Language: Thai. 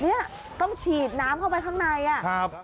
นี่ต้องฉีดน้ำเข้าไปข้างใน